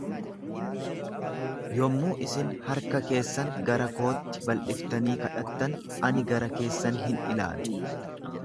Yommuu isin harka keessan gara kootti bal'iftanii kadhattan, ani gara keessan hin ilaalu.